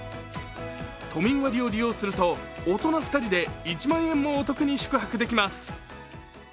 都民割を利用すると大人２人で１万円もお得に宿泊できます。